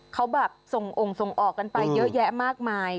เขาแบบส่งองค์ส่งออกกันไปเยอะแยะมากมาย